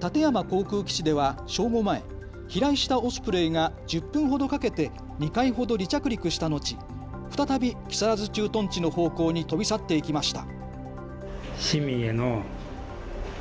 館山航空基地では正午前、飛来したオスプレイが１０分ほどかけて２回ほど離着陸した後、再び木更津駐屯地の方向に飛び去っていきました。